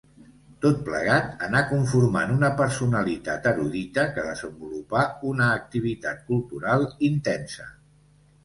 Tot plegat anà conformant una personalitat erudita, que desenvolupà una activitat cultural intensa.